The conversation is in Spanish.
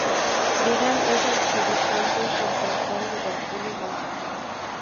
Wigan es equidistante con Preston, Liverpool y Mánchester.